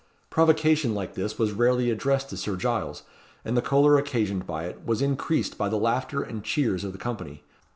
Provocation like this was rarely addressed to Sir Giles; and the choler occasioned by it was increased by the laughter and cheers of the company.